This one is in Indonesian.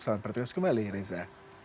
selamat pertengah kembali reza